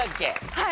はい。